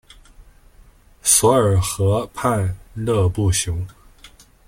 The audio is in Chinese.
索尔河畔勒布雄。